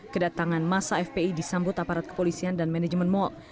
kedatangan masa fpi disambut aparat kepolisian dan manajemen mal